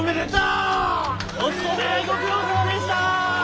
おつとめご苦労さまでした！